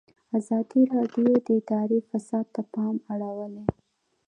ازادي راډیو د اداري فساد ته پام اړولی.